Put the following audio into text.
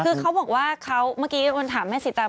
คือเขาบอกว่าเมื่อกี้มันถามแม่ศรีตังค์